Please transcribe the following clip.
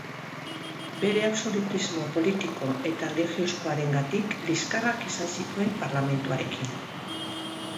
Bere absolutismo politiko eta erlijiozkoarengatik liskarrak izan zituen Parlamentuarekin.